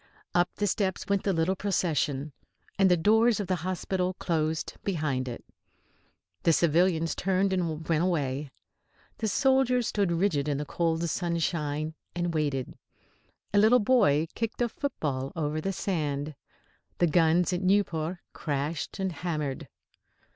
Up the steps went the little procession. And the doors of the hospital closed behind it. The civilians turned and went away. The soldiers stood rigid in the cold sunshine, and waited. A little boy kicked a football over the sand. The guns at Nieuport crashed and hammered.